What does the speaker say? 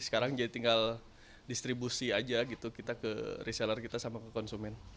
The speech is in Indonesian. sekarang jadi tinggal distribusi aja gitu kita ke reseller kita sama ke konsumen